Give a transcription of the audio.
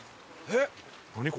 えっ？